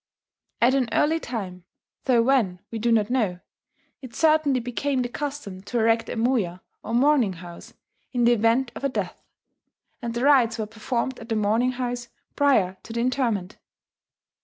At an early time, though when we do not know, it certainly became the custom to erect a moya, or "mourning house" in the event of a death; and the rites were performed at the mourning house prior to the interment.